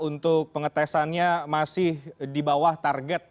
untuk pengetesannya masih di bawah target